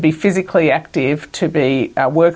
bergabung untuk beraktif fisik